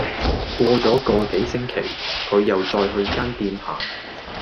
過左個幾星期，佢又再去間店行